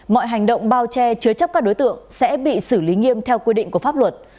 mọi hành động bao che chứa chấp các đối tượng sẽ bị xử lý nghiêm theo quy định của pháp luật